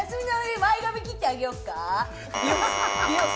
前髪切ってあげようか。